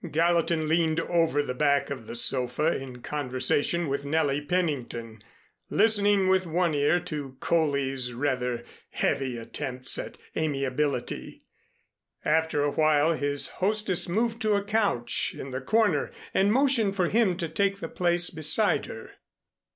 Gallatin leaned over the back of the sofa in conversation with Nellie Pennington, listening with one ear to Coley's rather heavy attempts at amiability. After a while his hostess moved to a couch in the corner and motioned for him to take the place beside her.